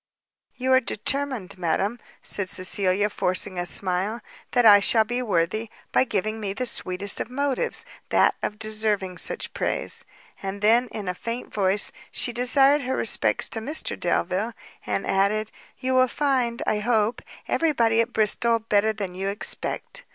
"You are determined, madam," said Cecilia, forcing a smile, "that I shall be worthy, by giving me the sweetest of motives, that of deserving such praise." And then, in a faint voice, she desired her respects to Mr Delvile, and added, "you will find, I hope, every body at Bristol better than you expect."